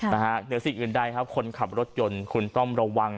เหนือสิ่งอื่นใดครับคนขับรถยนต์คุณต้องระวัง